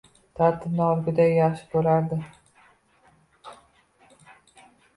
tartibni o’lguday yaxshi ko’rardi